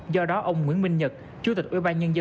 do đó ông nguyễn minh nhật chủ tịch ubnd